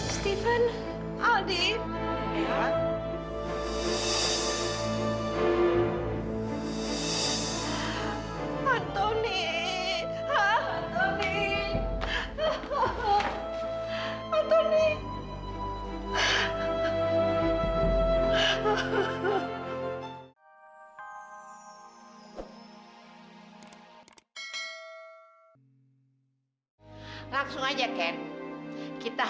sampai jumpa di video selanjutnya